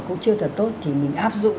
cũng chưa thật tốt thì mình áp dụng